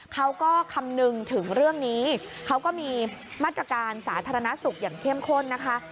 คำนึงถึงเรื่องนี้เขาก็มีมาตรการสาธารณสุขอย่างเข้มข้นนะคะ